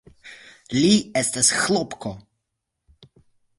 Li estas Ĥlopko!